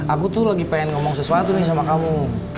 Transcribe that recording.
aku tuh lagi pengen ngomong sesuatu nih sama kamu